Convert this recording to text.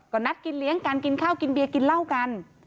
ก็นัดกินเลี้ยงกันกินข้าวกินเบียร์กินเหล้ากัน